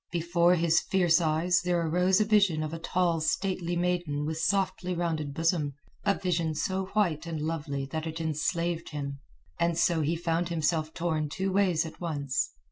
Before his fierce eyes there arose a vision of a tall stately maiden with softly rounded bosom, a vision so white and lovely that it enslaved him. And so he found himself torn two ways at once.